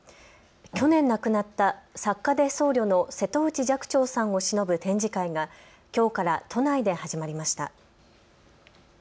去年、亡くなった作家で僧侶の瀬戸内寂聴さんをしのぶ展示会がきょうから都内で始まりました。